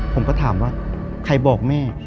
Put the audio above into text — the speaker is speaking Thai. ผมก็ถามว่าใครบอกแม่